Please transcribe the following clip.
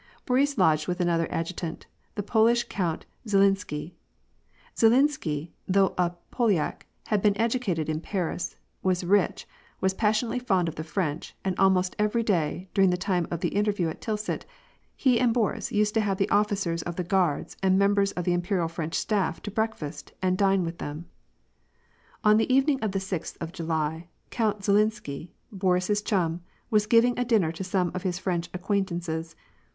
Boris lodged with another adjutant, the Polish Count Zhi linsky. Zhilinsky, though a Polyak, had been educated in Pai is, was rich,' was passionately fond of the French, and almost every day, during the time of the interview at Tilsit, he and Boris used to have the officers of the Guards and mem bers of the imperial French staff to breakfast and dine with them. On the evening of the sixth of July, Count Zhilinsky, Boris's chum, was giving a dinner to some of his French acquaintances.